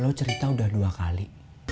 lo cerita udah dua kali